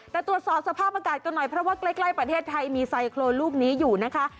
แต่ตรวจสอบสภาพอากาศกันหน่อยเพราะว่าใกล้ประเทศไทยมีไซโครนลูกนี้อยู่นะคะ